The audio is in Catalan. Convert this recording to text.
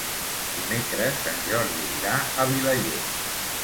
Dimecres en Jordi irà a Vilaller.